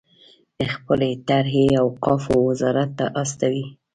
خپلې طرحې اوقافو وزارت ته استوي.